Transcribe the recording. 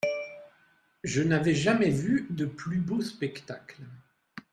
Je n'avais jamais vu de plus beau spectacle.